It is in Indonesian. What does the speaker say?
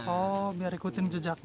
oh biar ikutin jejaknya